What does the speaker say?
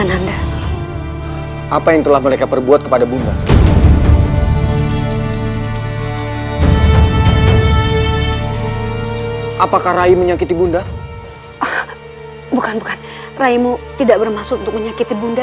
sampai jumpa di video selanjutnya